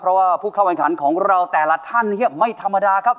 เพราะว่าผู้เข้าแข่งขันของเราแต่ละท่านไม่ธรรมดาครับ